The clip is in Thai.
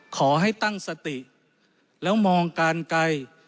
ขอให้ตั้งสติแล้วมองการไกล